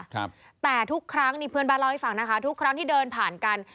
ครับแต่ทุกครั้งนี่เพื่อนบ้านเล่าให้ฟังนะคะทุกครั้งที่เดินผ่านกัน